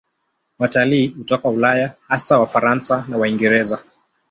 Watalii hutoka Ulaya, hasa Wafaransa na Waingereza.